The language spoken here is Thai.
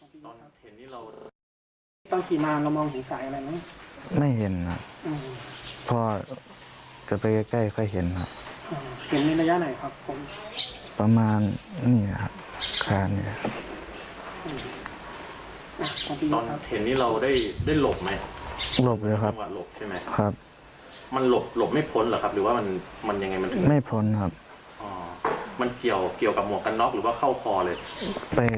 ตอนเห็นนี่เราได้หลบไหมหลบเลยครับหลบใช่ไหมครับมันหลบไม่พ้นหรือว่ามันยังไงไม่พ้นครับอ๋อมันเกี่ยวกับหมวกกันน๊อคหรือว่าเข้าพอเลยไปหลบไม่พ้นหรือว่ามันยังไงไม่พ้นครับอ๋อมันเกี่ยวกับหมวกกันน๊อคหรือว่าเข้าพอเลยไปหลบไม่พ้นหรือว่ามันยังไงไม่พ้นครับมันเกี่ยวกับหมวกกันน๊